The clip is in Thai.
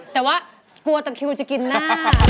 แต่ว่ากลัวตะคิวจะกินหน้า